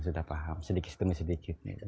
sudah paham sedikit demi sedikit